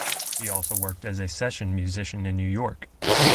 He also worked as a session musician in New York.